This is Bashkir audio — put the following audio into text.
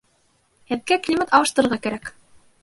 Һеҙгә климат алыштырырға кәрәк